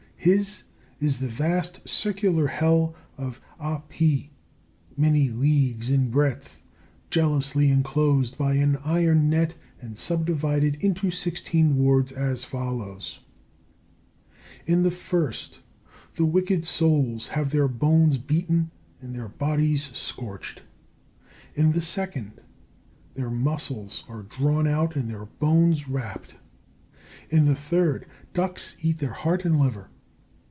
His is the vast, circular hell of A pi, many leagues in breadth, jealously enclosed by an iron net, and subdivided into sixteen wards, as follows: In the first, the wicked souls have their bones beaten and their bodies scorched. In the second, their muscles are drawn out and their bones rapped. In the third, ducks eat their heart and liver.